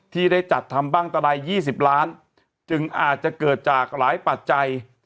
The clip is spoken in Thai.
ที่ได้จัดทำบั้งตะไลล์ยี่สิบล้านจึงอาจจะเกิดจากหลายปัจจัย